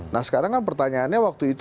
nah sekarang kan pertanyaannya waktu itu